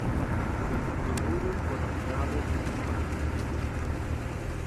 Se distribuyen por Australia y Tasmania.